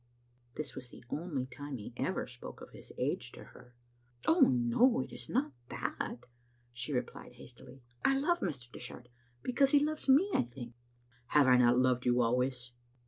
This was the only time he ever spoke of his age to hef « "Oh no, it is not that," she replied hastily, "I love Mr. Dishart — because he loves me, I think." " Have I not loved you always?"